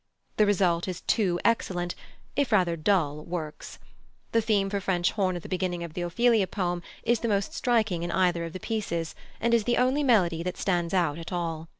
The result is two excellent, if rather dull, works. The theme for French horn at the beginning of the Ophelia poem is the most striking in either of the pieces, and is the only melody that stands out at all.